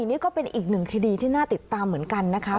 นี่ก็เป็นอีกหนึ่งคดีที่น่าติดตามเหมือนกันนะคะ